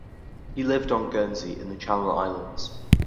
He lived on Guernsey in the Channel Islands.